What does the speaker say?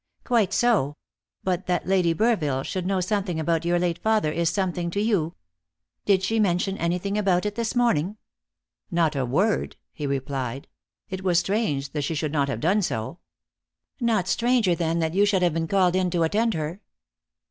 "Quite so; but that Lady Burville should know something about your late father is something to you. Did she mention anything about it this morning?" "Not a word," he replied; "it was strange that she should not have done so." "Not stranger than that you should have been called in to attend her."